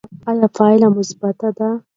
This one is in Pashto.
ایا پایله مثبته ده؟